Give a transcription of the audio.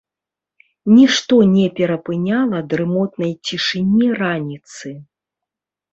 Нішто не перапыняла дрымотнай цішыні раніцы.